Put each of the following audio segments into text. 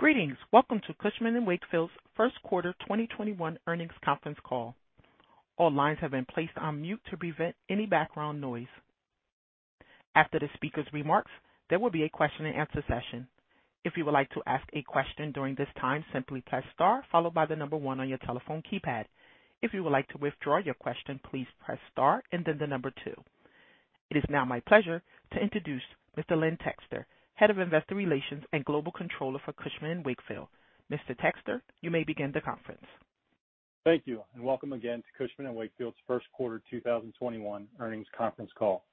Greetings. Welcome to Cushman & Wakefield's first quarter 2021 earnings conference call. All lines have been placed on mute to prevent any background noise. After the speaker's remarks, there will be a question-and-answer session. If you would like to ask a question during this time, simply press star followed by the number one on your telephone keypad. If you would like to withdraw your question, please press star and then the number two. It is now my pleasure to introduce Mr. Len Texter, Head of Investor Relations and Global Controller for Cushman & Wakefield. Mr. Texter, you may begin the conference. Thank you, and welcome again to Cushman & Wakefield's first quarter 2021 earnings conference call.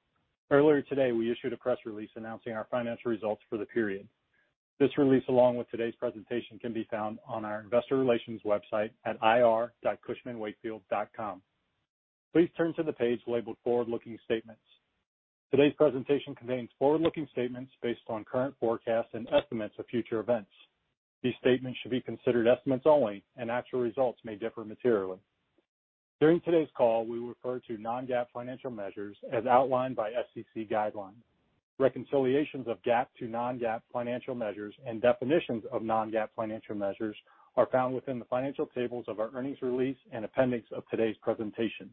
Earlier today, we issued a press release announcing our financial results for the period. This release, along with today's presentation, can be found on our Investor Relations website at ir.cushmanwakefield.com. Please turn to the page labeled forward-looking statements. Today's presentation contains forward-looking statements based on current forecasts and estimates of future events. These statements should be considered estimates only, and actual results may differ materially. During today's call, we will refer to non-GAAP financial measures as outlined by SEC guidelines. Reconciliations of GAAP to non-GAAP financial measures and definitions of non-GAAP financial measures are found within the financial tables of our earnings release and appendix of today's presentation.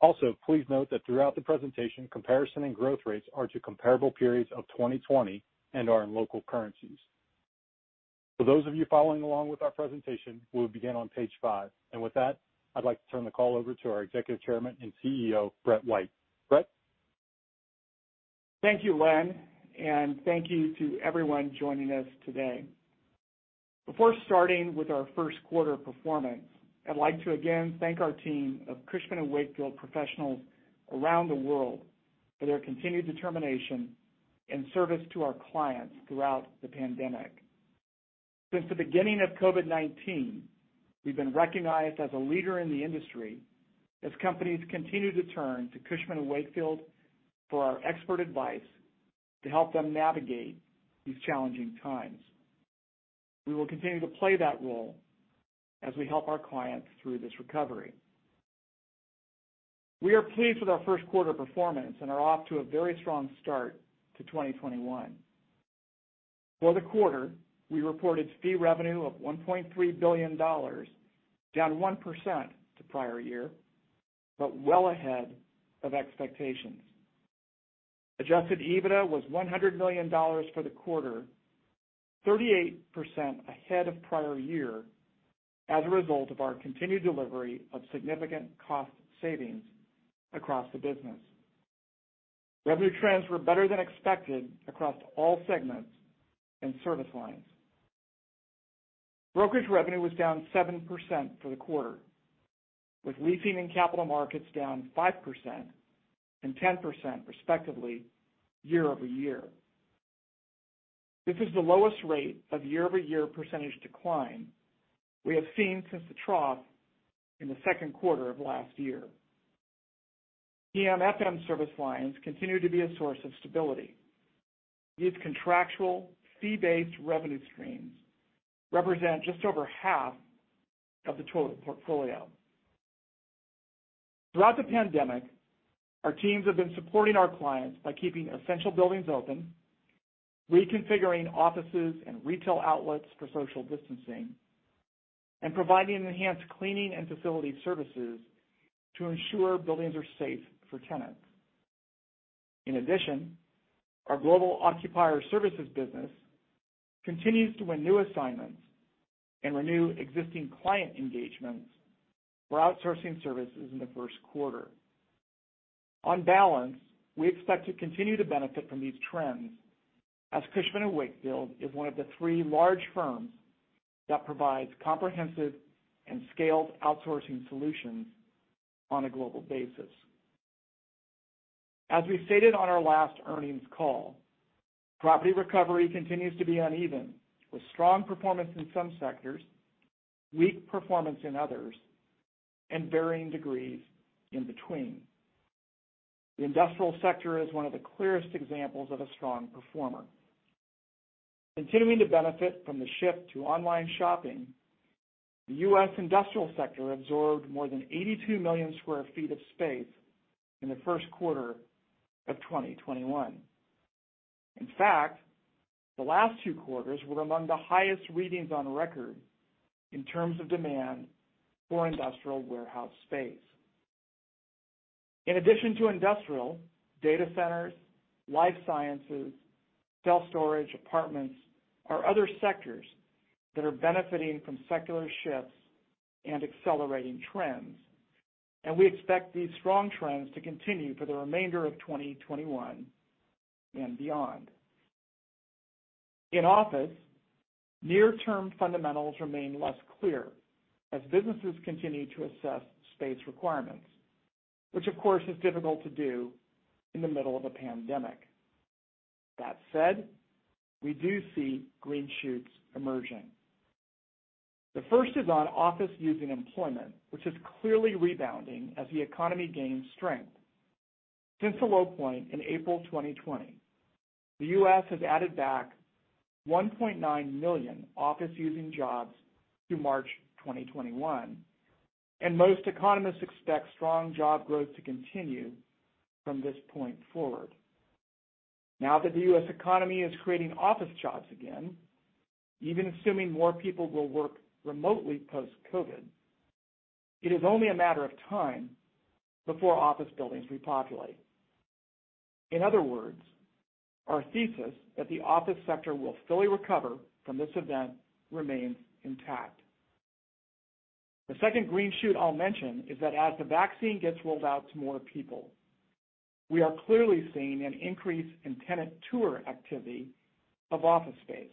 Also, please note that throughout the presentation, comparison and growth rates are to comparable periods of 2020 and are in local currencies. For those of you following along with our presentation, we'll begin on page five. With that, I'd like to turn the call over to our Executive Chairman and CEO, Brett White. Brett? Thank you, Len, and thank you to everyone joining us today. Before starting with our first quarter performance, I'd like to again thank our team of Cushman & Wakefield professionals around the world for their continued determination and service to our clients throughout the pandemic. Since the beginning of COVID-19, we've been recognized as a leader in the industry as companies continue to turn to Cushman & Wakefield for our expert advice to help them navigate these challenging times. We will continue to play that role as we help our clients through this recovery. We are pleased with our first quarter performance and are off to a very strong start to 2021. For the quarter, we reported fee revenue of $1.3 billion, down 1% to prior year, but well ahead of expectations. Adjusted EBITDA was $100 million for the quarter, 38% ahead of prior year as a result of our continued delivery of significant cost savings across the business. Revenue trends were better than expected across all segments and service lines. Brokerage revenue was down 7% for the quarter, with leasing and capital markets down 5% and 10%, respectively, year over year. This is the lowest rate of year over year percentage decline we have seen since the trough in the second quarter of last year. PMFM service lines continue to be a source of stability. These contractual, fee-based revenue streams represent just over half of the total portfolio. Throughout the pandemic, our teams have been supporting our clients by keeping essential buildings open, reconfiguring offices and retail outlets for social distancing, and providing enhanced cleaning and facility services to ensure buildings are safe for tenants. In addition, our Global Occupier Services business continues to win new assignments and renew existing client engagements for outsourcing services in the first quarter. On balance, we expect to continue to benefit from these trends as Cushman & Wakefield is one of the three large firms that provides comprehensive and scaled outsourcing solutions on a global basis. As we stated on our last earnings call, property recovery continues to be uneven, with strong performance in some sectors, weak performance in others, and varying degrees in between. The industrial sector is one of the clearest examples of a strong performer. Continuing to benefit from the shift to online shopping, the U.S. industrial sector absorbed more than 82 million sq ft of space in the first quarter of 2021. In fact, the last two quarters were among the highest readings on record in terms of demand for industrial warehouse space. In addition to industrial, data centers, life sciences, self-storage, apartments are other sectors that are benefiting from secular shifts and accelerating trends, and we expect these strong trends to continue for the remainder of 2021 and beyond. In office, near-term fundamentals remain less clear as businesses continue to assess space requirements, which of course, is difficult to do in the middle of a pandemic. That said, we do see green shoots emerging. The first is on office using employment, which is clearly rebounding as the economy gains strength. Since the low point in April 2020, the U.S. has added back 1.9 million office using jobs through March 2021. Most economists expect strong job growth to continue from this point forward. Now that the U.S. economy is creating office jobs again, even assuming more people will work remotely post-COVID, it is only a matter of time before office buildings repopulate. In other words, our thesis that the office sector will fully recover from this event remains intact. The second green shoot I'll mention is that as the vaccine gets rolled out to more people, we are clearly seeing an increase in tenant tour activity of office space.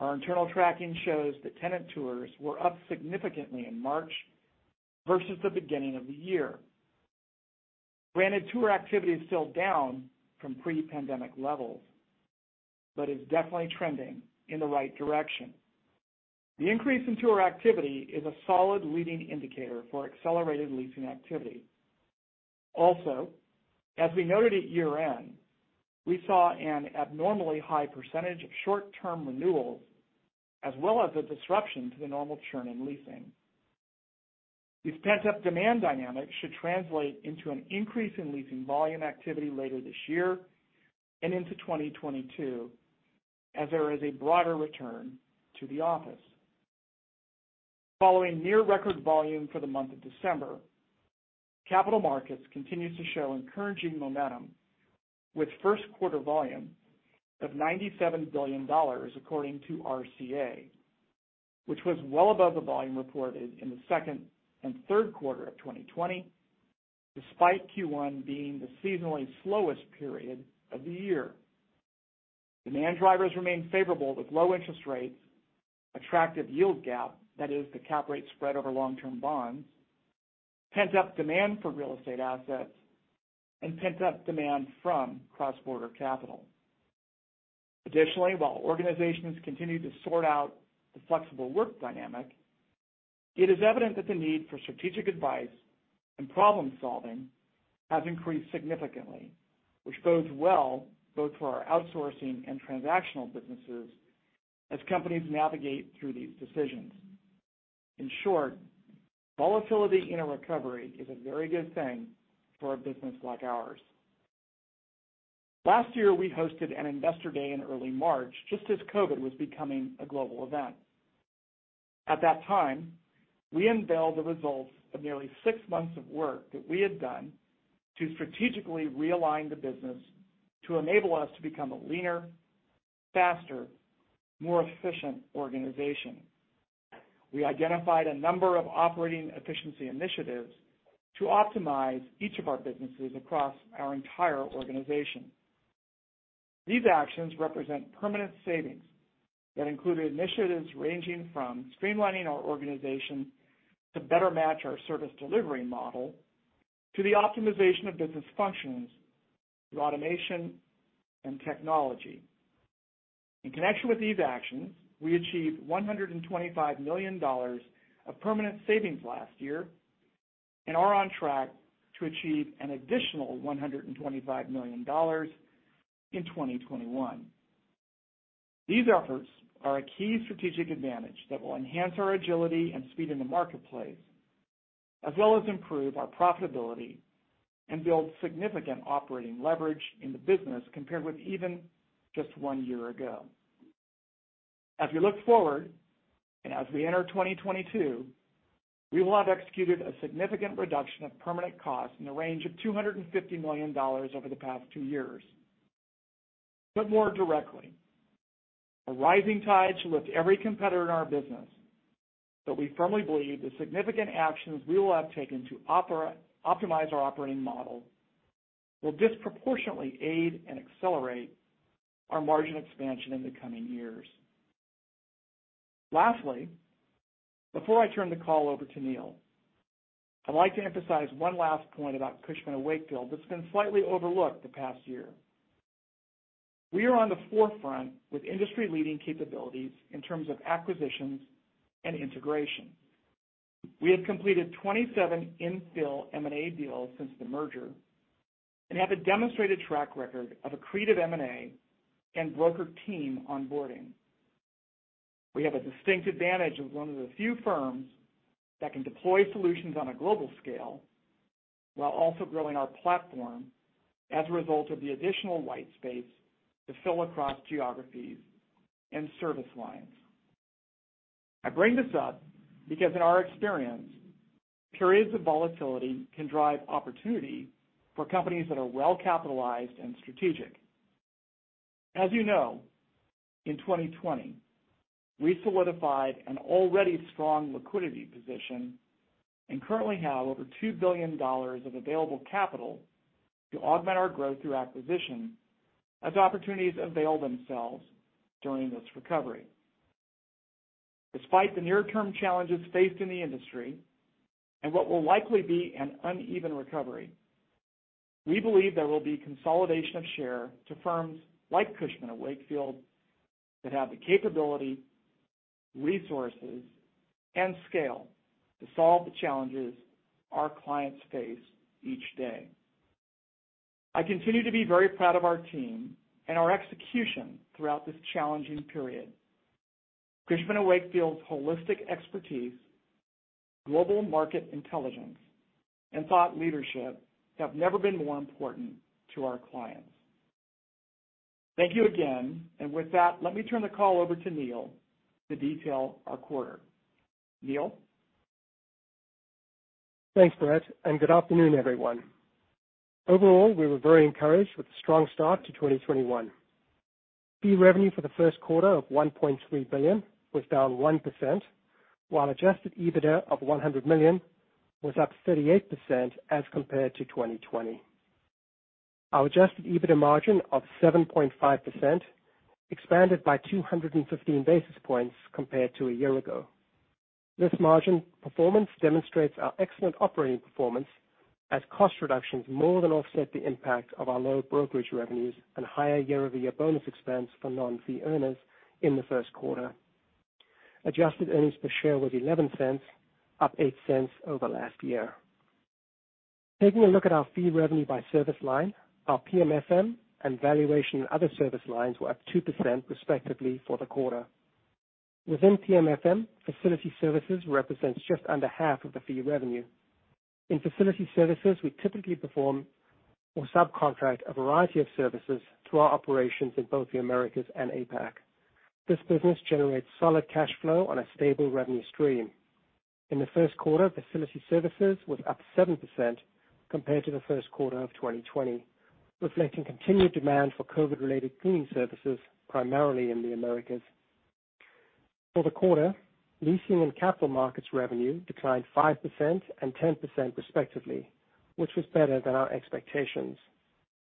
Our internal tracking shows that tenant tours were up significantly in March versus the beginning of the year. Granted, tour activity is still down from pre-pandemic levels, but is definitely trending in the right direction. The increase in tour activity is a solid leading indicator for accelerated leasing activity. Also, as we noted at year-end, we saw an abnormally high percentage of short-term renewals, as well as a disruption to the normal churn in leasing. These pent-up demand dynamics should translate into an increase in leasing volume activity later this year and into 2022 as there is a broader return to the office. Following near record volume for the month of December, capital markets continues to show encouraging momentum with first quarter volume of $97 billion according to RCA, which was well above the volume reported in the second and third quarter of 2020, despite Q1 being the seasonally slowest period of the year. Demand drivers remain favorable with low interest rates, attractive yield gap, that is, the cap rate spread over long-term bonds, pent-up demand for real estate assets, and pent-up demand from cross-border capital. While organizations continue to sort out the flexible work dynamic, it is evident that the need for strategic advice and problem-solving has increased significantly, which bodes well both for our outsourcing and transactional businesses as companies navigate through these decisions. Volatility in a recovery is a very good thing for a business like ours. Last year, we hosted an investor day in early March, just as COVID was becoming a global event. At that time, we unveiled the results of nearly six months of work that we had done to strategically realign the business to enable us to become a leaner, faster, more efficient organization. We identified a number of operating efficiency initiatives to optimize each of our businesses across our entire organization. These actions represent permanent savings that included initiatives ranging from streamlining our organization to better match our service delivery model, to the optimization of business functions through automation and technology. In connection with these actions, we achieved $125 million of permanent savings last year and are on track to achieve an additional $125 million in 2021. These efforts are a key strategic advantage that will enhance our agility and speed in the marketplace, as well as improve our profitability and build significant operating leverage in the business compared with even just one year ago. As we look forward and as we enter 2022, we will have executed a significant reduction of permanent costs in the range of $250 million over the past two years. Put more directly, a rising tide should lift every competitor in our business, but we firmly believe the significant actions we will have taken to optimize our operating model will disproportionately aid and accelerate our margin expansion in the coming years. Lastly, before I turn the call over to Neil, I'd like to emphasize one last point about Cushman & Wakefield that's been slightly overlooked the past year. We are on the forefront with industry-leading capabilities in terms of acquisitions and integration. We have completed 27 infill M&A deals since the merger and have a demonstrated track record of accretive M&A and broker team onboarding. We have a distinct advantage as one of the few firms that can deploy solutions on a global scale while also growing our platform as a result of the additional white space to fill across geographies and service lines. I bring this up because in our experience, periods of volatility can drive opportunity for companies that are well capitalized and strategic. As you know, in 2020, we solidified an already strong liquidity position and currently have over $2 billion of available capital to augment our growth through acquisition as opportunities avail themselves during this recovery. Despite the near-term challenges faced in the industry and what will likely be an uneven recovery, we believe there will be consolidation of share to firms like Cushman & Wakefield that have the capability, resources, and scale to solve the challenges our clients face each day. I continue to be very proud of our team and our execution throughout this challenging period. Cushman & Wakefield's holistic expertise, global market intelligence, and thought leadership have never been more important to our clients. Thank you again. With that, let me turn the call over to Neil to detail our quarter. Neil? Thanks, Brett. Good afternoon, everyone. Overall, we were very encouraged with the strong start to 2021. Fee revenue for the first quarter of $1.3 billion was down 1%, while adjusted EBITDA of $100 million was up 38% as compared to 2020. Our adjusted EBITDA margin of 7.5% expanded by 215 basis points compared to a year ago. This margin performance demonstrates our excellent operating performance as cost reductions more than offset the impact of our low brokerage revenues and higher year-over-year bonus expense for non-fee earners in the first quarter. Adjusted earnings per share was $0.11, up $0.08 over last year. Taking a look at our fee revenue by service line, our PMFM and valuation and other service lines were up 2% respectively for the quarter. Within PMFM, facility services represents just under half of the fee revenue. In facility services, we typically perform or subcontract a variety of services through our operations in both the Americas and APAC. This business generates solid cash flow on a stable revenue stream. In the first quarter, facility services was up 7% compared to the first quarter of 2020, reflecting continued demand for COVID-related cleaning services, primarily in the Americas. For the quarter, leasing and capital markets revenue declined 5% and 10% respectively, which was better than our expectations.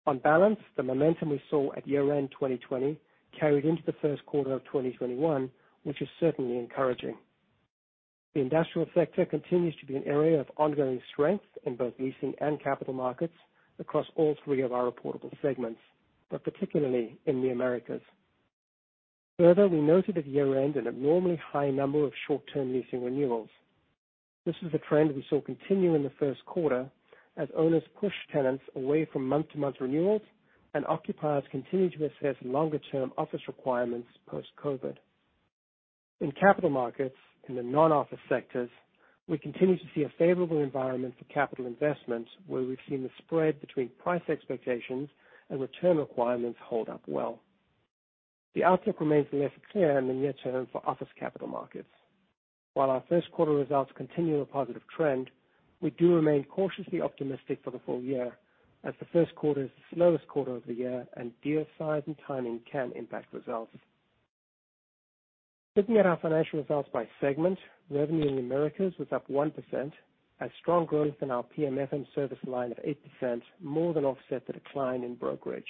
On balance, the momentum we saw at year-end 2020 carried into the first quarter of 2021, which is certainly encouraging. The industrial sector continues to be an area of ongoing strength in both leasing and capital markets across all three of our reportable segments, but particularly in the Americas. Further, we noted at year-end an abnormally high number of short-term leasing renewals. This is a trend we saw continue in the first quarter, as owners pushed tenants away from month-to-month renewals and occupiers continued to assess longer-term office requirements post-COVID. In capital markets, in the non-office sectors, we continue to see a favorable environment for capital investments where we've seen the spread between price expectations and return requirements hold up well. The outlook remains less clear in the near term for office capital markets. While our first quarter results continue a positive trend, we do remain cautiously optimistic for the full year as the first quarter is the slowest quarter of the year, and deal size and timing can impact results. Looking at our financial results by segment, revenue in the Americas was up 1%, as strong growth in our PMFM service line of 8% more than offset the decline in brokerage.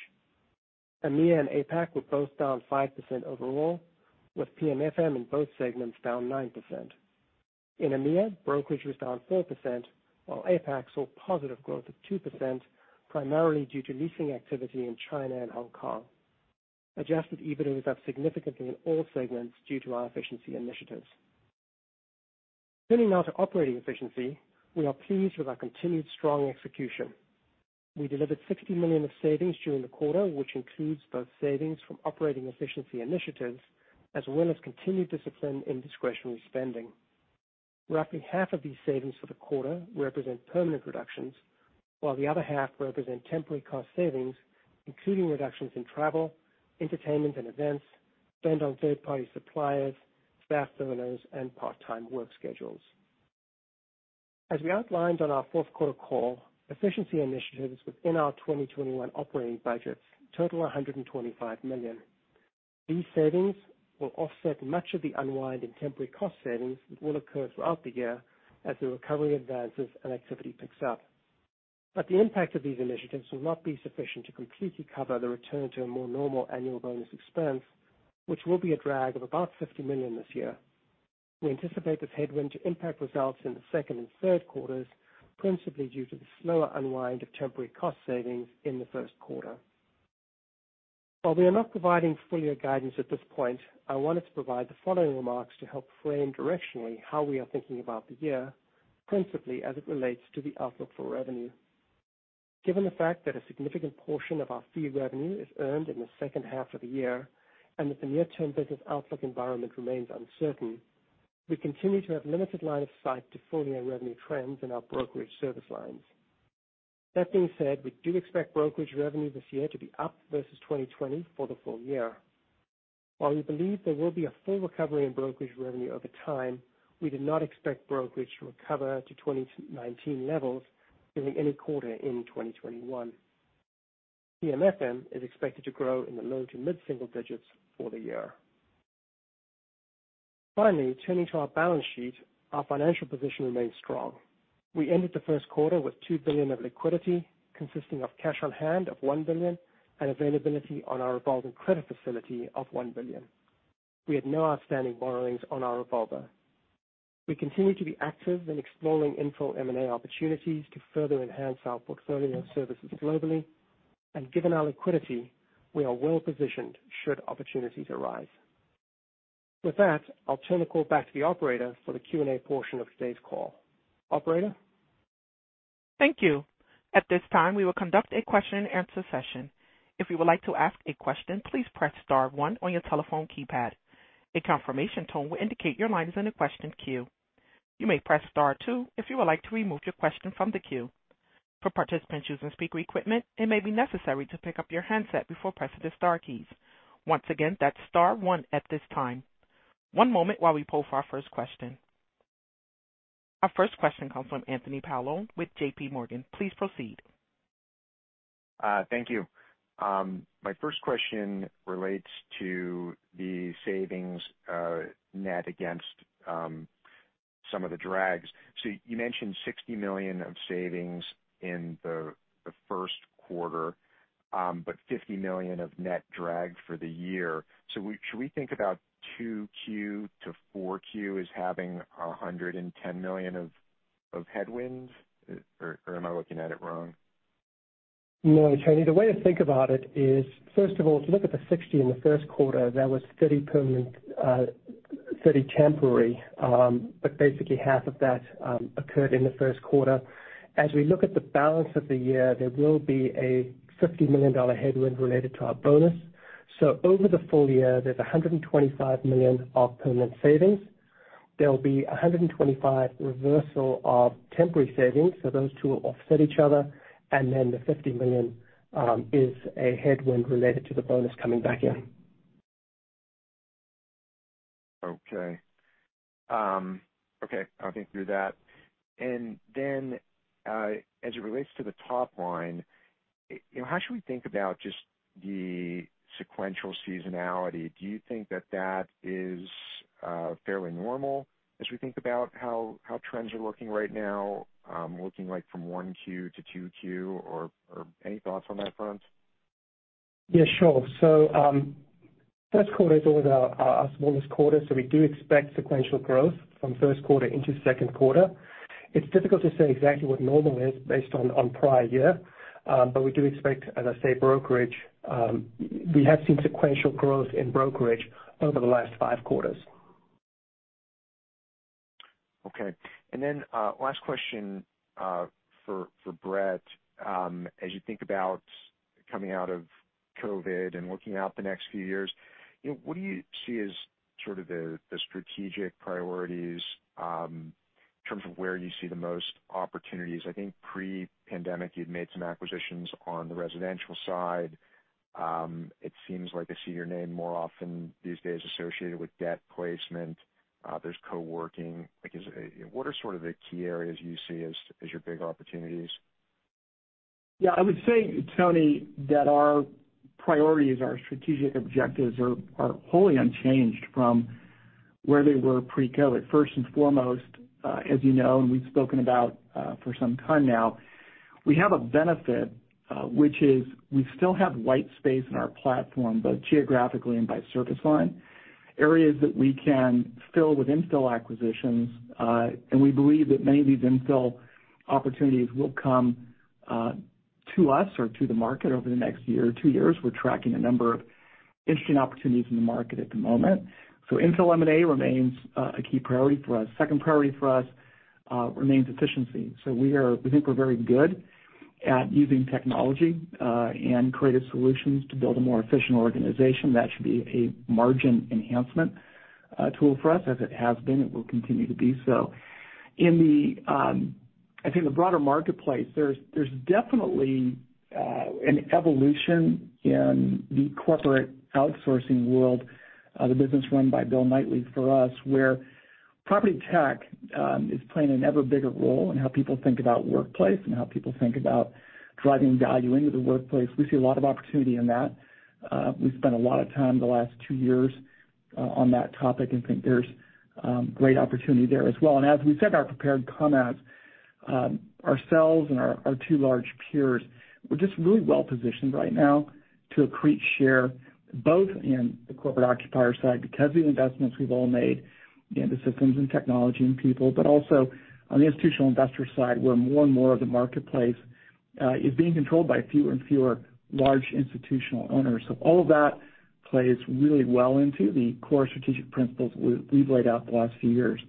EMEA and APAC were both down 5% overall, with PMFM in both segments down 9%. In EMEA, brokerage was down 4%, while APAC saw positive growth of 2%, primarily due to leasing activity in China and Hong Kong. Adjusted EBIT is up significantly in all segments due to our efficiency initiatives. Turning now to operating efficiency. We are pleased with our continued strong execution. We delivered $60 million of savings during the quarter, which includes both savings from operating efficiency initiatives as well as continued discipline in discretionary spending. Roughly half of these savings for the quarter represent permanent reductions, while the other half represent temporary cost savings, including reductions in travel, entertainment and events, spend on third-party suppliers, staff bonuses, and part-time work schedules. As we outlined on our fourth quarter call, efficiency initiatives within our 2021 operating budgets total $125 million. These savings will offset much of the unwind in temporary cost savings that will occur throughout the year as the recovery advances and activity picks up. The impact of these initiatives will not be sufficient to completely cover the return to a more normal annual bonus expense, which will be a drag of about $50 million this year. We anticipate this headwind to impact results in the second and third quarters, principally due to the slower unwind of temporary cost savings in the first quarter. While we are not providing full-year guidance at this point, I wanted to provide the following remarks to help frame directionally how we are thinking about the year, principally as it relates to the outlook for revenue. Given the fact that a significant portion of our fee revenue is earned in the second half of the year, and that the near-term business outlook environment remains uncertain, we continue to have limited line of sight to full-year revenue trends in our brokerage service lines. That being said, we do expect brokerage revenue this year to be up versus 2020 for the full year. While we believe there will be a full recovery in brokerage revenue over time, we do not expect brokerage to recover to 2019 levels during any quarter in 2021. PMFM is expected to grow in the low to mid-single digits for the year. Finally, turning to our balance sheet, our financial position remains strong. We ended the first quarter with $2 billion of liquidity, consisting of cash on hand of $1 billion and availability on our revolving credit facility of $1 billion. We had no outstanding borrowings on our revolver. We continue to be active in exploring infill M&A opportunities to further enhance our portfolio of services globally, and given our liquidity, we are well positioned should opportunities arise. With that, I'll turn the call back to the operator for the Q&A portion of today's call. Operator? Thank you. At this time, we will conduct a question-and-answer session. If you would like to ask a question, please press star one on your telephone keypad. A confirmation tone will indicate your line is in a question queue. You may press star two if you would like to remove your question from the queue. For participants using speaker equipment, it may be necessary to pick up your handset before pressing the star keys. Once again, that's star one at this time. One moment while we poll for our first question. Our first question comes from Anthony Paolone with JPMorgan. Please proceed. Thank you. My first question relates to the savings net against some of the drags. You mentioned $60 million of savings in the first quarter, but $50 million of net drag for the year. Should we think about 2Q to 4Q as having $110 million of headwinds? Or am I looking at it wrong? No, Tony. The way to think about it is, first of all, if you look at the $60 million in the first quarter, that was $30 million permanent, $30 million temporary. Basically half of that occurred in the first quarter. As we look at the balance of the year, there will be a $50 million headwind related to our bonus. Over the full year, there's $125 million of permanent savings. There'll be $125 million reversal of temporary savings, so those two will offset each other. The $50 million is a headwind related to the bonus coming back in. Okay. I think through that. As it relates to the top line, how should we think about just the sequential seasonality? Do you think that that is fairly normal as we think about how trends are looking right now, looking like from 1Q to 2Q, or any thoughts on that front? Yeah, sure. First quarter is always our smallest quarter, so we do expect sequential growth from first quarter into second quarter. It's difficult to say exactly what normal is based on prior year. We do expect, as I say, brokerage. We have seen sequential growth in brokerage over the last five quarters. Okay. Last question for Brett. As you think about coming out of COVID and looking out the next few years, what do you see as sort of the strategic priorities in terms of where you see the most opportunities? I think pre-pandemic, you'd made some acquisitions on the residential side. It seems like I see your name more often these days associated with debt placement. There's co-working. What are sort of the key areas you see as your big opportunities? Yeah, I would say, Tony, that our priorities, our strategic objectives are wholly unchanged from where they were pre-COVID. First and foremost, as you know, and we've spoken about for some time now, we have a benefit, which is we still have white space in our platform, both geographically and by service line, areas that we can fill with infill acquisitions. We believe that many of these infill opportunities will come to us or to the market over the next year or two years. We're tracking a number of interesting opportunities in the market at the moment. Infill M&A remains a key priority for us. Second priority for us remains efficiency. We think we're very good at using technology and creative solutions to build a more efficient organization. That should be a margin enhancement tool for us, as it has been, it will continue to be so. In the broader marketplace, there's definitely an evolution in the corporate outsourcing world, the business run by Bill Knightly for us, where property tech is playing an ever bigger role in how people think about workplace and how people think about driving value into the workplace. We see a lot of opportunity in that. We've spent a lot of time the last two years on that topic and think there's great opportunity there as well. As we said in our prepared comments, ourselves and our two large peers, we're just really well positioned right now to accrete share, both in the corporate occupier side, because of the investments we've all made into systems and technology and people. Also on the institutional investor side, where more and more of the marketplace is being controlled by fewer and fewer large institutional owners. All of that plays really well into the core strategic principles we've laid out the last few years.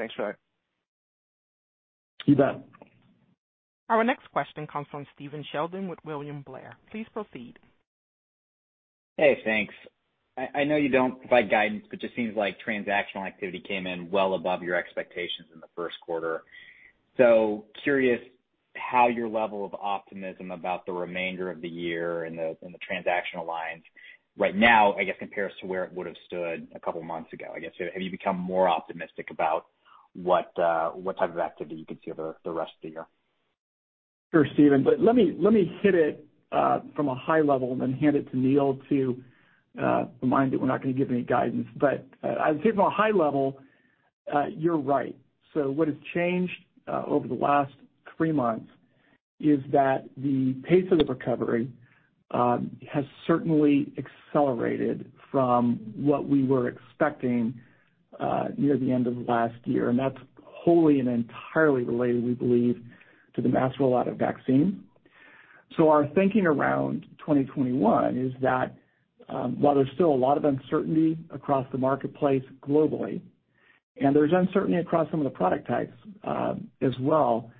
Okay. Thanks for that. You bet. Our next question comes from Stephen Sheldon with William Blair. Please proceed. Hey, thanks. I know you don't provide guidance, but just seems like transactional activity came in well above your expectations in the first quarter. Curious how your level of optimism about the remainder of the year and the transactional lines right now, I guess, compares to where it would have stood a couple of months ago? I guess, have you become more optimistic about what type of activity you could see over the rest of the year? Sure, Stephen. Let me hit it from a high level and then hand it to Neil Johnston to remind that we're not going to give any guidance. I'd say from a high level, you're right. What has changed over the last three months is that the pace of the recovery has certainly accelerated from what we were expecting near the end of last year, and that's wholly and entirely related, we believe, to the mass rollout of vaccine. Our thinking around 2021 is that while there's still a lot of uncertainty across the marketplace globally, and there's uncertainty across some of the product types as well,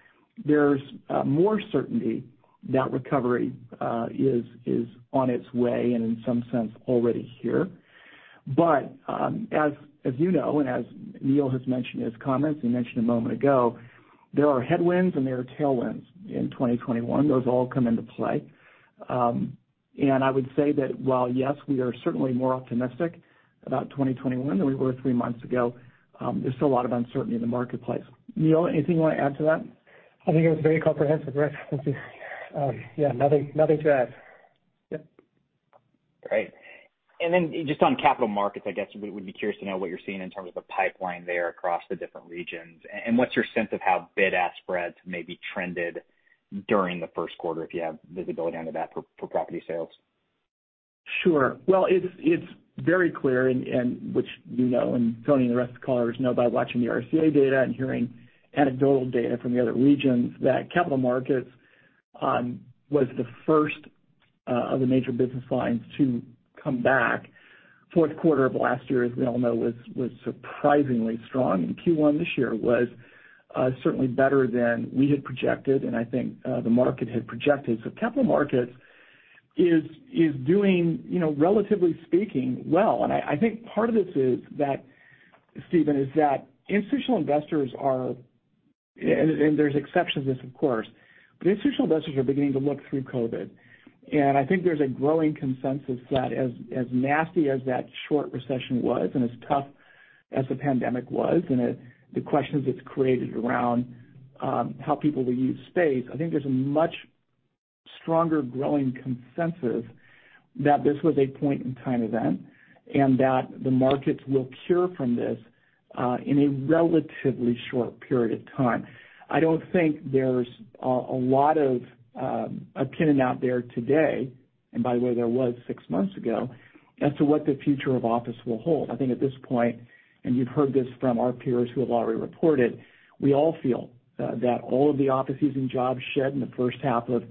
there's more certainty that recovery is on its way and in some sense, already here. As you know, and as Neil Johnston has mentioned in his comments, he mentioned a moment ago, there are headwinds and there are tailwinds in 2021. Those all come into play. I would say that while yes, we are certainly more optimistic about 2021 than we were three months ago, there's still a lot of uncertainty in the marketplace. Neil, anything you want to add to that? I think that was very comprehensive, Brett White, thank you. Yeah, nothing to add. Yep. Great. Just on capital markets, I guess we would be curious to know what you're seeing in terms of the pipeline there across the different regions, and what's your sense of how bid-ask spreads may be trended during the first quarter, if you have visibility onto that for property sales? Sure. Well, it's very clear and which you know, and Anthony Paolone and the rest of the callers know by watching the RCA data and hearing anecdotal data from the other regions, that capital markets was the first of the major business lines to come back. Fourth quarter of last year, as we all know, was surprisingly strong, and Q1 this year was certainly better than we had projected, and I think the market had projected. Capital markets is doing relatively speaking, well, and I think part of this is that, Stephen Sheldon, is that institutional investors are, and there's exceptions to this, of course, but institutional investors are beginning to look through COVID. I think there's a growing consensus that as nasty as that short recession was, and as tough as the pandemic was, and the questions it's created around how people will use space, I think there's a much stronger growing consensus that this was a point-in-time event, and that the markets will cure from this in a relatively short period of time. I don't think there's a lot of opinion out there today, and by the way, there was six months ago, as to what the future of office will hold. I think at this point, and you've heard this from our peers who have already reported, we all feel that all of the offices and jobs shed in the first half of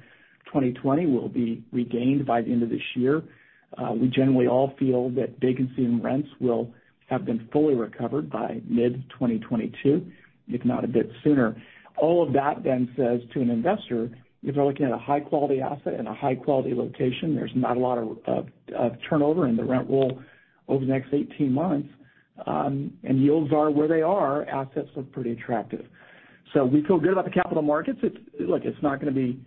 2020 will be regained by the end of this year. We generally all feel that vacancy and rents will have been fully recovered by mid-2022, if not a bit sooner. All of that then says to an investor, if they're looking at a high-quality asset and a high-quality location, there's not a lot of turnover in the rent roll over the next 18 months, and yields are where they are, assets look pretty attractive. We feel good about the capital markets. Look, it's not going to be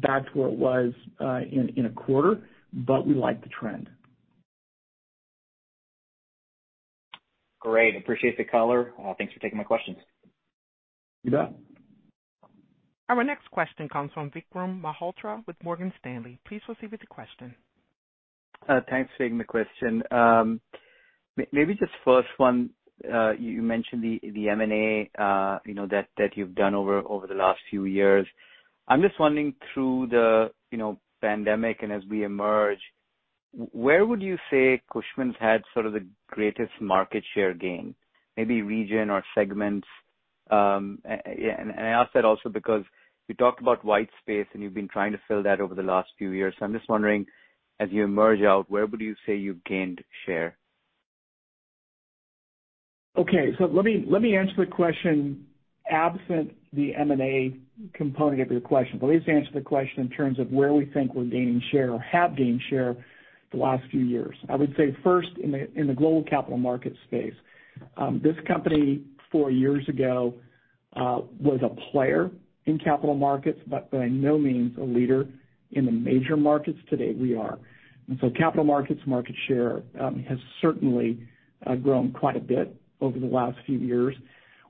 back to where it was in a quarter, but we like the trend. Great. Appreciate the color. Thanks for taking my questions. You bet. Our next question comes from Vikram Malhotra with Morgan Stanley. Please proceed with your question. Thanks for taking the question. Maybe just first one, you mentioned the M&A that you've done over the last few years. I'm just wondering through the pandemic and as we emerge, where would you say Cushman's had sort of the greatest market share gain, maybe region or segments? I ask that also because you talked about white space, and you've been trying to fill that over the last few years. I'm just wondering, as you emerge out, where would you say you've gained share? Let me answer the question absent the M&A component of your question. Let me just answer the question in terms of where we think we're gaining share or have gained share the last few years. I would say first, in the global capital markets space. This company, four years ago, was a player in capital markets, but by no means a leader in the major markets. Today we are. Capital markets market share has certainly grown quite a bit over the last few years.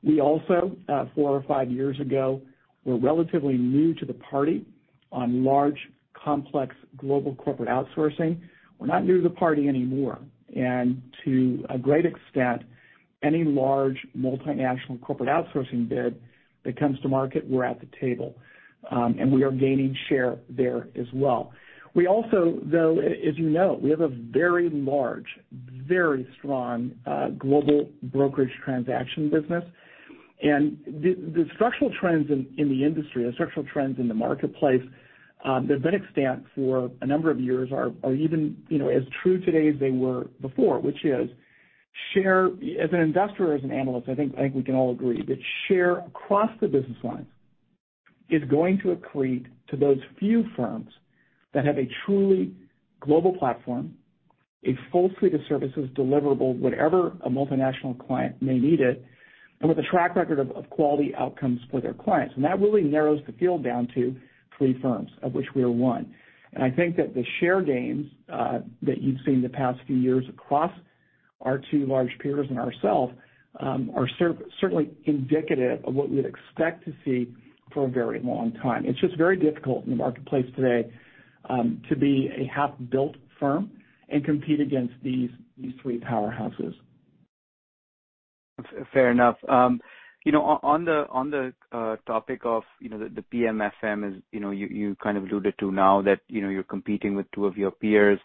We also, four or five years ago, were relatively new to the party on large, complex global corporate outsourcing. We're not new to the party anymore, and to a great extent, any large multinational corporate outsourcing bid that comes to market, we're at the table. We are gaining share there as well. We also, though, as you know, we have a very large, very strong global brokerage transaction business. The structural trends in the industry, the structural trends in the marketplace that have been extant for a number of years are even as true today as they were before, which is share as an investor, as an analyst, I think we can all agree that share across the business lines is going to accrete to those few firms that have a truly global platform, a full suite of services deliverable whenever a multinational client may need it, and with a track record of quality outcomes for their clients. That really narrows the field down to three firms, of which we are one. I think that the share gains that you've seen the past few years across our two large peers and ourselves are certainly indicative of what we'd expect to see for a very long time. It's just very difficult in the marketplace today to be a half-built firm and compete against these three powerhouses. Fair enough. On the topic of the PMFM, as you kind of alluded to now that you're competing with two of your peers,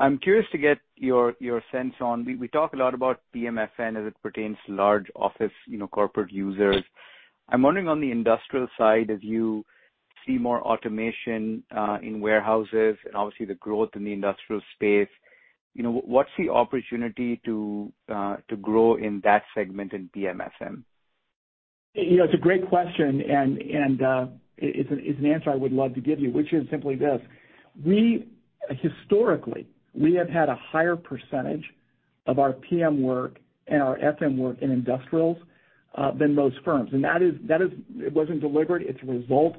I'm curious to get your sense on. We talk a lot about PMFM as it pertains to large office corporate users. I'm wondering on the industrial side, as you see more automation in warehouses and obviously the growth in the industrial space, what's the opportunity to grow in that segment in PMFM? It's a great question, and it's an answer I would love to give you, which is simply this. Historically, we have had a higher percentage of our PM work and our FM work in industrials than most firms. It wasn't deliberate. It's a result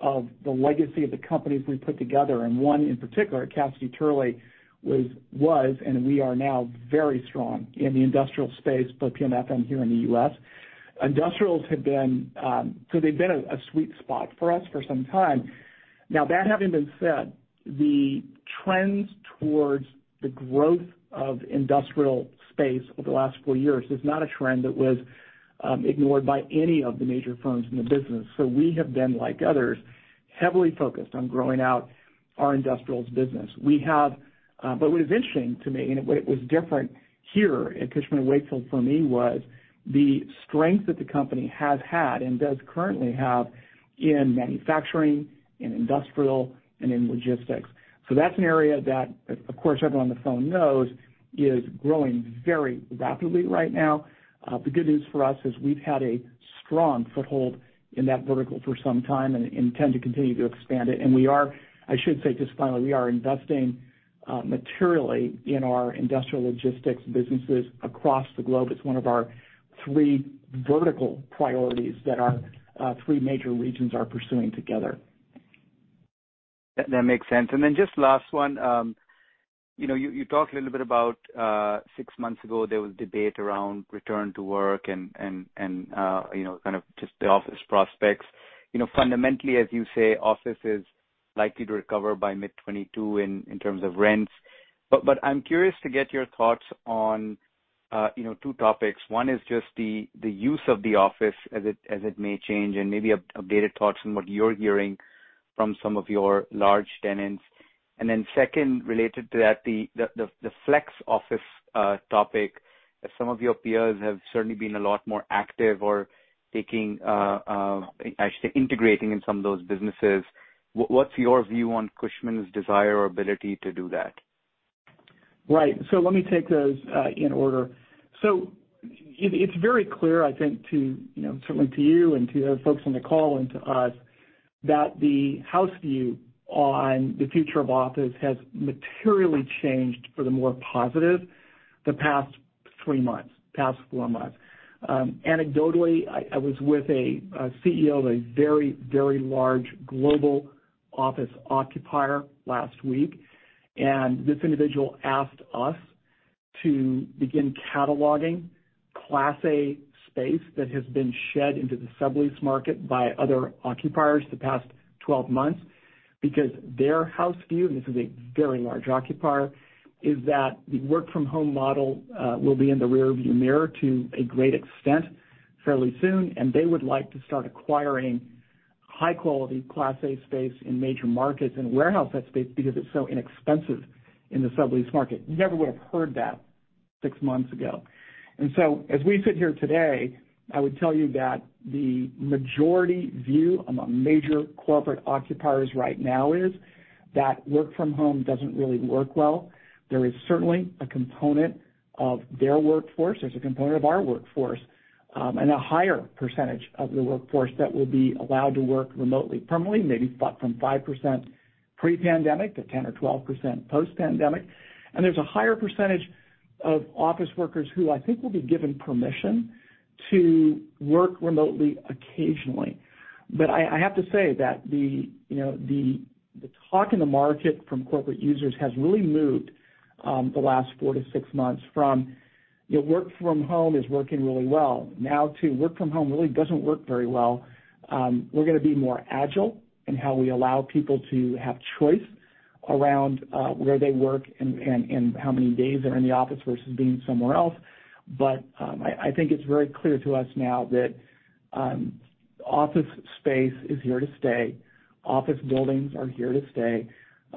of the legacy of the companies we put together, and one in particular, Cassidy Turley, was, and we are now very strong in the industrial space for PMFM here in the U.S. Industrials, they've been a sweet spot for us for some time. Now, that having been said, the trends towards the growth of industrial space over the last four years is not a trend that was ignored by any of the major firms in the business. We have been, like others, heavily focused on growing out our industrials business. What is interesting to me, and what it was different here at Cushman & Wakefield for me was the strength that the company has had and does currently have in manufacturing, in industrial, and in logistics. That's an area that, of course, everyone on the phone knows is growing very rapidly right now. The good news for us is we've had a strong foothold in that vertical for some time and intend to continue to expand it. I should say just finally, we are investing materially in our industrial logistics businesses across the globe. It's one of our three vertical priorities that our three major regions are pursuing together. That makes sense. Just last one. You talked a little bit about, six months ago, there was debate around return to work and kind of just the office prospects. Fundamentally, as you say, office is likely to recover by mid-2022 in terms of rents. I'm curious to get your thoughts on two topics. One is just the use of the office as it may change, and maybe updated thoughts on what you're hearing from some of your large tenants. Second, related to that, the flex office topic, as some of your peers have certainly been a lot more active or integrating in some of those businesses. What's your view on Cushman's desire or ability to do that? Right. Let me take those in order. It's very clear, I think, certainly to you and to the folks on the call and to us, that the house view on the future of office has materially changed for the more positive the past three months, past four months. Anecdotally, I was with a CEO of a very, very large global office occupier last week, and this individual asked us to begin cataloging Class A space that has been shed into the sublease market by other occupiers the past 12 months because their house view, and this is a very large occupier, is that the work from home model will be in the rear view mirror to a great extent fairly soon, and they would like to start acquiring high-quality Class A space in major markets and warehouse that space because it's so inexpensive in the sublease market. You never would've heard that six months ago. As we sit here today, I would tell you that the majority view among major corporate occupiers right now is that work from home doesn't really work well. There is certainly a component of their workforce, there's a component of our workforce, and a higher percentage of the workforce that will be allowed to work remotely permanently, maybe from 5% pre-pandemic to 10% or 12% post-pandemic. There's a higher percentage of office workers who I think will be given permission to work remotely occasionally. I have to say that the talk in the market from corporate users has really moved the last 4-6 months from work from home is working really well now to work from home really doesn't work very well. We're going to be more agile in how we allow people to have choice around where they work and how many days they're in the office versus being somewhere else. I think it's very clear to us now that office space is here to stay. Office buildings are here to stay.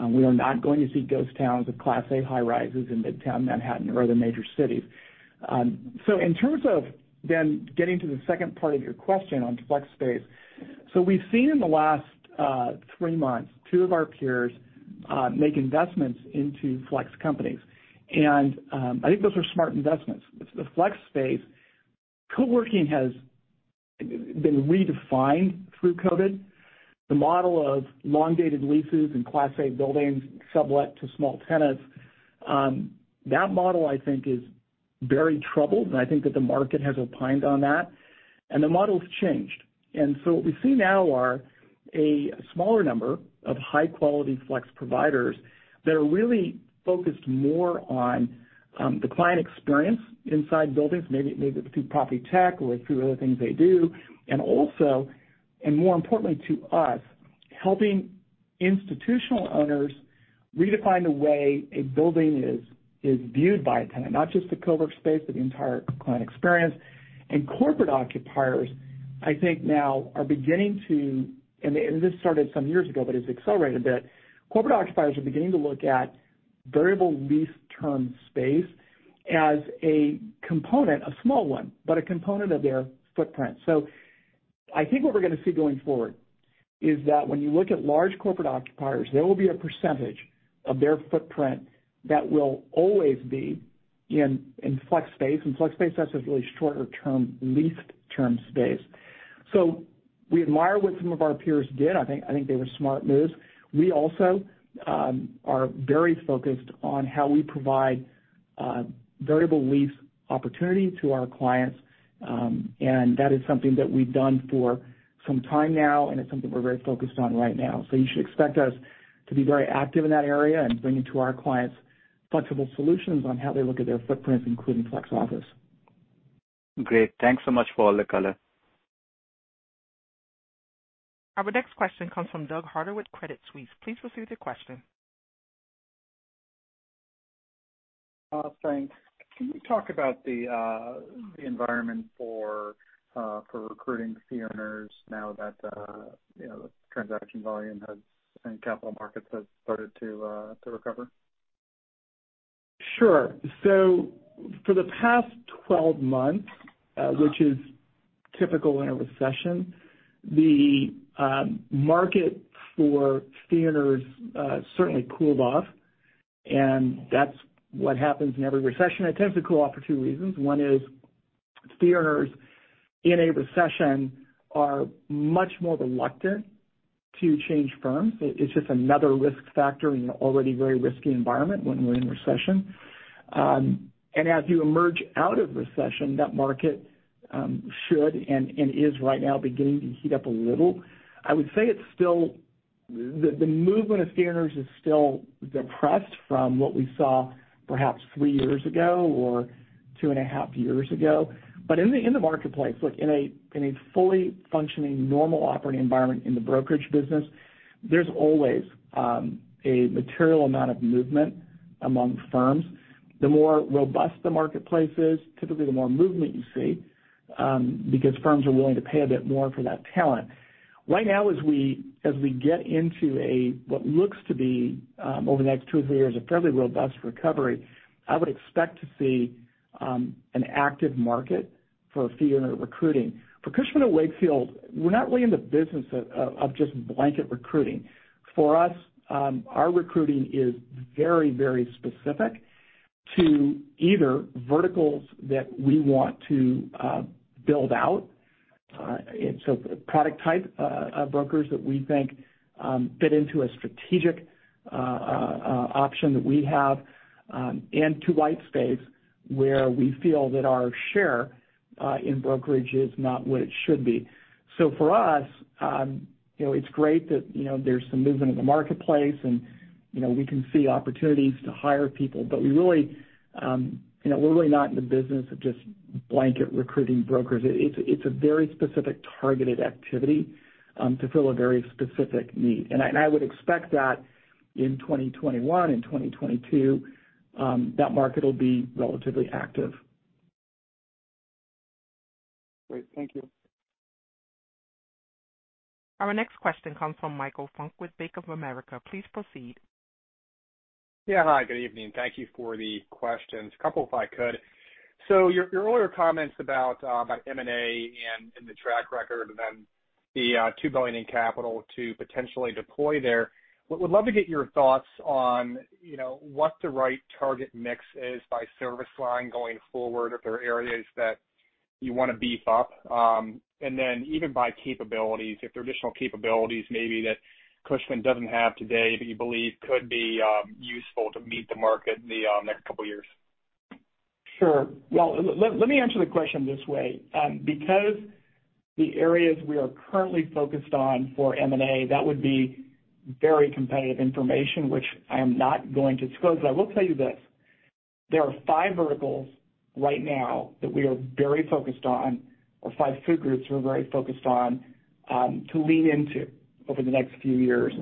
We are not going to see ghost towns with Class A high-rises in Midtown Manhattan or other major cities. In terms of then getting to the second part of your question on flex space. We've seen in the last three months, two of our peers make investments into flex companies. I think those are smart investments. The flex space, co-working has been redefined through COVID. The model of long-dated leases and Class A buildings sublet to small tenants, that model I think is very troubled, and I think that the market has opined on that. The model's changed. What we see now are a smaller number of high-quality flex providers that are really focused more on the client experience inside buildings, maybe through property tech or through other things they do. More importantly to us, helping institutional owners redefine the way a building is viewed by a tenant, not just the co-work space, but the entire client experience. Corporate occupiers, I think now are beginning to, and this started some years ago, but it's accelerated a bit. Corporate occupiers are beginning to look at variable lease term space as a component, a small one, but a component of their footprint. I think what we're going to see going forward is that when you look at large corporate occupiers, there will be a percentage of their footprint that will always be in flex space. Flex space, that's just really shorter term leased term space. We admire what some of our peers did. I think they were smart moves. We also are very focused on how we provide variable lease opportunity to our clients. That is something that we've done for some time now, and it's something we're very focused on right now. You should expect us to be very active in that area and bringing to our clients flexible solutions on how they look at their footprints, including flex office. Great. Thanks so much for all the color. Our next question comes from Doug Harter with Credit Suisse. Please proceed with your question. Thanks. Can you talk about the environment for recruiting fee earners now that the transaction volume has, and capital markets has started to recover? Sure. For the past 12 months, which is typical in a recession, the market for fee earners certainly cooled off, and that's what happens in every recession. It tends to cool off for two reasons. One is fee earners in a recession are much more reluctant to change firms. It's just another risk factor in an already very risky environment when we're in recession. As you emerge out of recession, that market should and is right now beginning to heat up a little. I would say the movement of fee earners is still depressed from what we saw perhaps three years ago or two and a half years ago. In the marketplace, look, in a fully functioning, normal operating environment in the brokerage business, there's always a material amount of movement among firms. The more robust the marketplace is, typically the more movement you see, because firms are willing to pay a bit more for that talent. Right now, as we get into a what looks to be, over the next two or three years, a fairly robust recovery, I would expect to see an active market for fee earner recruiting. For Cushman & Wakefield, we're not really in the business of just blanket recruiting. For us, our recruiting is very specific to either verticals that we want to build out. Product type of brokers that we think fit into a strategic option that we have, and to white space where we feel that our share in brokerage is not what it should be. For us, it's great that there's some movement in the marketplace and we can see opportunities to hire people, but we're really not in the business of just blanket recruiting brokers. It's a very specific targeted activity to fill a very specific need. I would expect that in 2021 and 2022, that market will be relatively active. Great. Thank you. Our next question comes from Michael Funk with Bank of America. Please proceed. Yeah. Hi, good evening. Thank you for the questions. A couple, if I could. Your earlier comments about M&A and the track record, and then the $2 billion in capital to potentially deploy there. We'd love to get your thoughts on what the right target mix is by service line going forward, if there are areas that you want to beef up. Even by capabilities, if there are additional capabilities maybe that Cushman doesn't have today that you believe could be useful to meet the market in the next couple of years. Sure. Well, let me answer the question this way. Because the areas we are currently focused on for M&A, that would be very competitive information, which I am not going to disclose. I will tell you this, there are five verticals right now that we are very focused on, or five food groups we're very focused on to lean into over the next few years.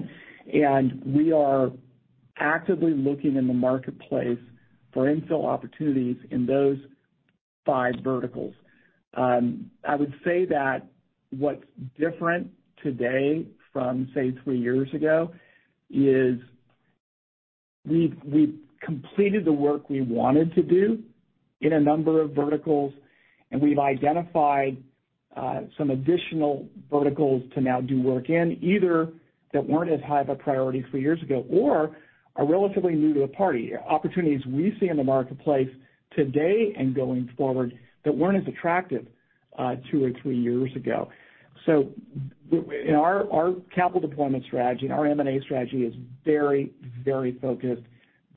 We are actively looking in the marketplace for infill opportunities in those five verticals. I would say that what's different today from, say, three years ago is we've completed the work we wanted to do in a number of verticals, and we've identified some additional verticals to now do work in, either that weren't as high of a priority three years ago or are relatively new to the party. Opportunities we see in the marketplace today and going forward that weren't as attractive two or three years ago. Our capital deployment strategy and our M&A strategy is very focused,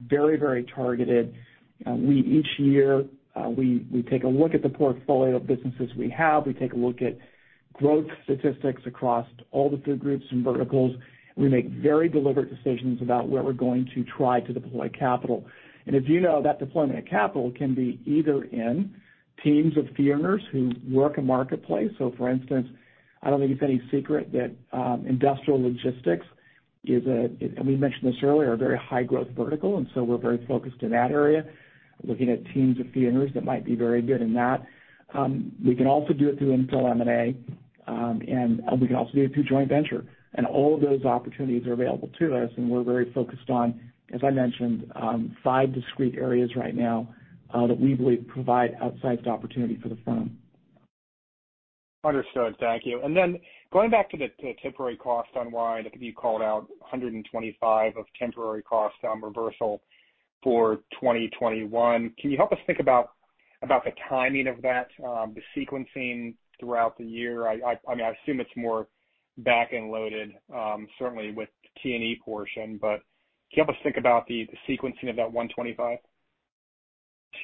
very targeted. Each year, we take a look at the portfolio of businesses we have. Growth statistics across all the food groups and verticals. We make very deliberate decisions about where we're going to try to deploy capital. If you know, that deployment of capital can be either in teams of fee earners who work a marketplace. For instance, I don't think it's any secret that industrial logistics is a, we mentioned this earlier, a very high growth vertical, we're very focused in that area, looking at teams of fee earners that might be very good in that. We can also do it through M&A, we can also do it through joint venture. All of those opportunities are available to us, we're very focused on, as I mentioned, five discrete areas right now that we believe provide outsized opportunity for the firm. Understood. Thank you. Going back to the temporary cost unwind, I think you called out $125 of temporary cost reversal for 2021. Can you help us think about the timing of that, the sequencing throughout the year? I assume it's more back-end loaded, certainly with the T&E portion, but can you help us think about the sequencing of that $125?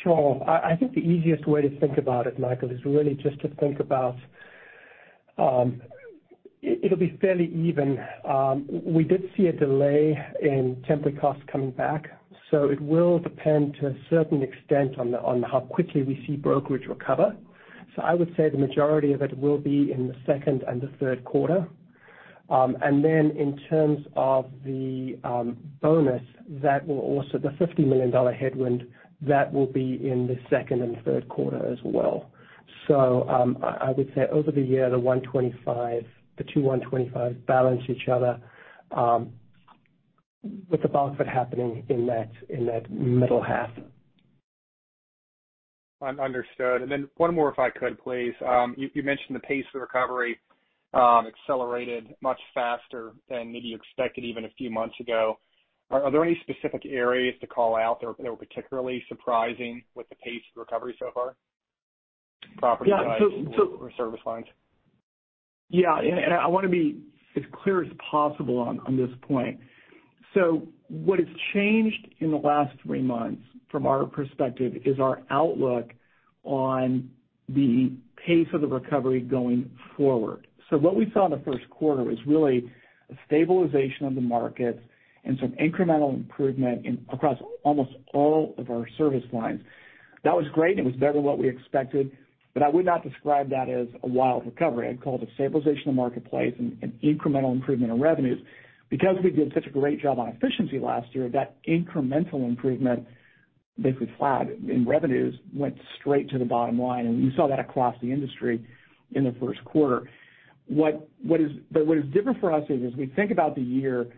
Sure. I think the easiest way to think about it, Michael, is really just to think about, it'll be fairly even. We did see a delay in temporary costs coming back. It will depend to a certain extent on how quickly we see brokerage recover. I would say the majority of it will be in the second and the third quarter. In terms of the bonus, the $50 million headwind, that will be in the second and third quarter as well. I would say over the year, the two 125s balance each other with the bulk of it happening in that middle half. Understood. Then one more if I could, please. You mentioned the pace of recovery accelerated much faster than maybe you expected even a few months ago. Are there any specific areas to call out that were particularly surprising with the pace of recovery so far? Yeah. Service lines? Yeah. I want to be as clear as possible on this point. What has changed in the last three months from our perspective is our outlook on the pace of the recovery going forward. What we saw in the first quarter was really a stabilization of the markets and some incremental improvement across almost all of our service lines. That was great and it was better than what we expected, but I would not describe that as a wild recovery. I'd call it a stabilization of the marketplace and incremental improvement in revenues. Because we did such a great job on efficiency last year, that incremental improvement, basically flat in revenues, went straight to the bottom line. You saw that across the industry in the first quarter. What is different for us is we think about the year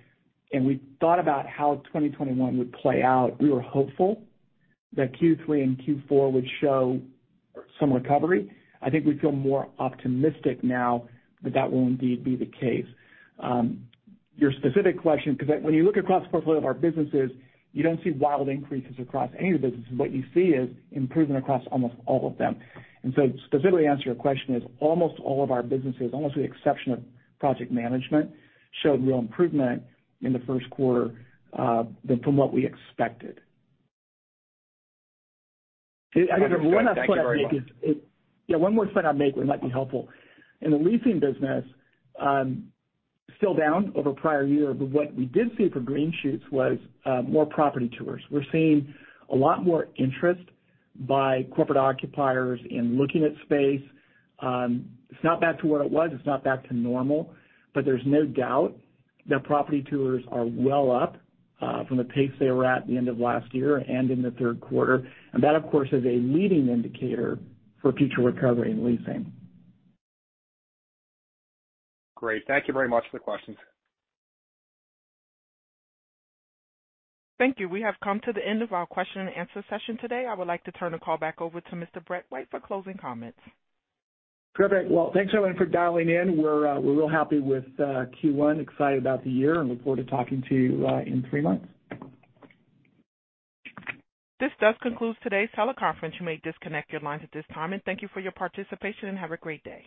and we thought about how 2021 would play out. We were hopeful that Q3 and Q4 would show some recovery. I think we feel more optimistic now that that will indeed be the case. Your specific question, because when you look across the portfolio of our businesses, you don't see wild increases across any of the businesses. What you see is improvement across almost all of them. To specifically answer your question is almost all of our businesses, almost with the exception of project management, showed real improvement in the first quarter than from what we expected. Understood. Thank you very much. Yeah, one more point I'll make that might be helpful. In the leasing business, still down over prior year, but what we did see for green shoots was more property tours. We're seeing a lot more interest by corporate occupiers in looking at space. It's not back to what it was, it's not back to normal, but there's no doubt that property tours are well up from the pace they were at at the end of last year and in the third quarter. That, of course, is a leading indicator for future recovery in leasing. Great. Thank you very much for the questions. Thank you. We have come to the end of our question-and-answer session today. I would like to turn the call back over to Mr. Brett White for closing comments. Perfect. Well, thanks everyone for dialing in. We're real happy with Q1, excited about the year, and look forward to talking to you in three months. This does conclude today's teleconference. You may disconnect your lines at this time. Thank you for your participation, and have a great day.